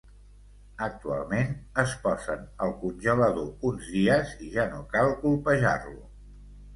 Actualment, es posen al congelador uns dies i ja no cal colpejar-lo.